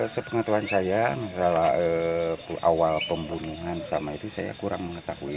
sepengetahuan saya masalah awal pembunuhan sama itu saya kurang mengetahui